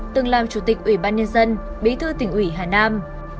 từng làm chủ tịch ủy ban nhân dân bí thư tỉnh ủy hà nam